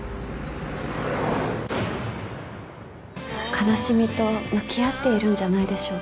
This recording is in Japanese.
悲しみと向き合っているんじゃないでしょうか。